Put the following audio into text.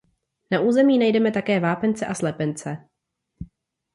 Na území najdeme také vápence a slepence.